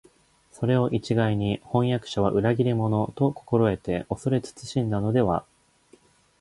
それを一概に「飜訳者は裏切り者」と心得て畏れ謹しんだのでは、